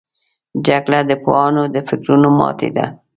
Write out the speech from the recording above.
جګړه د پوهانو د فکرونو ماتې ده